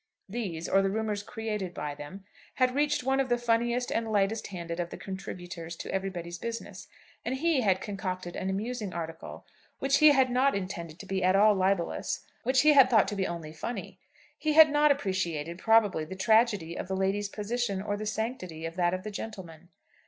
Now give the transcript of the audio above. These, or the rumours created by them, had reached one of the funniest and lightest handed of the contributors to 'Everybody's Business,' and he had concocted an amusing article, which he had not intended to be at all libellous, which he had thought to be only funny. He had not appreciated, probably, the tragedy of the lady's position, or the sanctity of that of the gentleman.